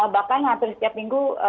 bahkan hampir setiap minggu